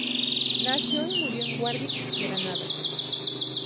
Nació y murió en Guadix, Granada.